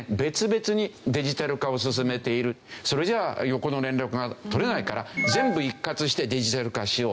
それじゃあ横の連絡が取れないから全部一括してデジタル化しよう。